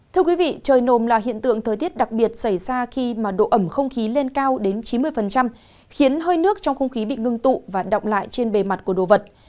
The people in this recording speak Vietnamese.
thưa quý vị trời nồm là hiện tượng thời tiết đặc biệt xảy ra khi mà độ ẩm không khí lên cao đến chín mươi khiến hơi nước trong không khí bị ngưng tụ và động lại trên bề mặt của đồ vật